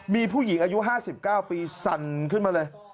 มีผู้หญิงอายุ๕๙ปีสั่นขึ้นมาเลย